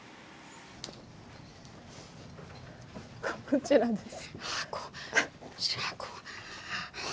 こちらです。